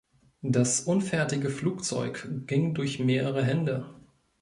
Das unfertige Flugzeug ging durch mehrere Hände.